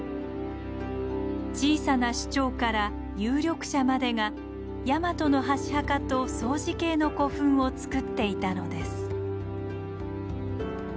小さな首長から有力者までがヤマトの箸墓と相似形の古墳をつくっていたのです。